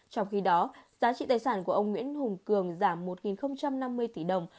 trong khi đó giá trị tài sản của ông nguyễn hùng cường giảm một năm mươi tỷ đồng